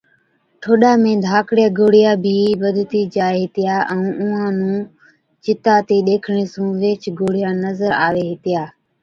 ٺوڏا ۾ ڌاڪڙِيا گوڙهِيا بِي بڌتِي جائي هِتِيا ائُون اُونهان نُون چِتاتِي ڏيکڻي سُون ويهچ گوڙهِيا نظر آوي هِتِيا۔